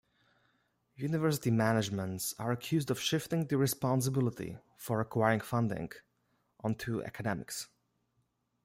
University managements are accused of shifting the responsibility for acquiring funding onto academics.